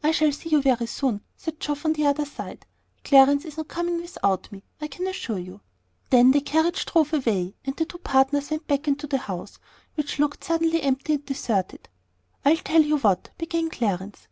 "I shall see you very soon," said Geoff, on the other side. "Clarence is not coming without me, I can assure you." Then the carriage drove away; and the two partners went back into the house, which looked suddenly empty and deserted. "I'll tell you what!" began Clarence.